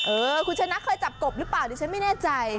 เออคุณชนะเคยจับกบหรือเปล่าดิฉันไม่แน่ใจ